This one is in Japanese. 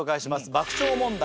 爆笑問題。